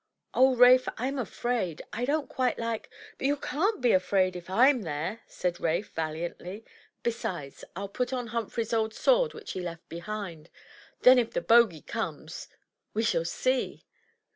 '' "Oh, Rafe! Fm afraid. I don't quite like—" But you can't be afraid if I'm there," said Rafe, valiantly; besides, I'll put on Humphrey's old sword which he left behind. Then if the Bogie comes — we shall see!"